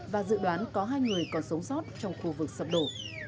và dự đoán có hai người còn sống sót trong khu vực sập đổ